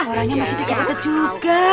orangnya masih diketuk ketuk juga